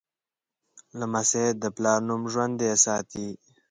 لمسی د پلار نوم ژوندی ساتي.